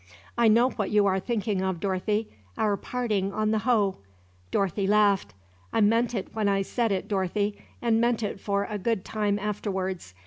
"I know what you are thinking of, Dorothy our parting on the hoe." Dorothy laughed. "I meant it when I said it, Dorothy, and meant it for a good time afterwards.